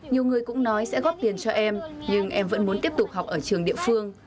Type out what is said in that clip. nhiều người cũng nói sẽ góp tiền cho em nhưng em vẫn muốn tiếp tục học ở trường địa phương